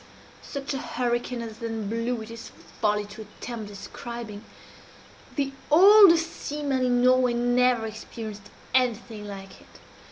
"Such a hurricane as then blew it is folly to attempt describing. The oldest seaman in Norway never experienced anything like it.